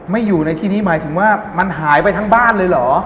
อยู่ในที่นี้หมายถึงว่ามันหายไปทั้งบ้านเลยเหรอ